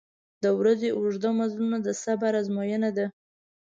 • د ورځې اوږده مزلونه د صبر آزموینه ده.